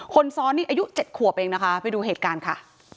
คนซ้อนนี่อายุ๗ขวบเองนะคะไปดูเหตุการณ์ค่ะ